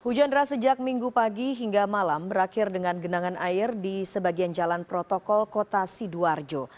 hujan deras sejak minggu pagi hingga malam berakhir dengan genangan air di sebagian jalan protokol kota sidoarjo